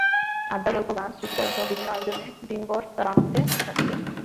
আড্ডা, গল্প, গান, স্মৃতিচারণসহ বিভিন্ন আয়োজনে দিনভর তাঁরা আনন্দে মেতে থাকলেন।